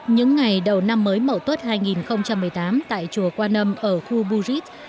những ngày đầu năm mới mẫu tuất hai nghìn một mươi tám tại chùa quan âm ở khu burit